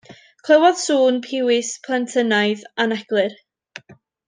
Clywodd sŵn piwis, plentynnaidd, aneglur.